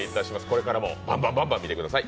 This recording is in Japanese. これからもバンバン見てください。